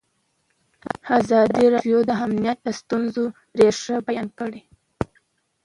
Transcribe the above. ازادي راډیو د امنیت د ستونزو رېښه بیان کړې.